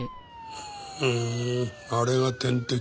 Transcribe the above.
うん？